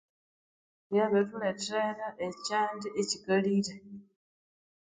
Byabirithulethera ekyanda ekikalire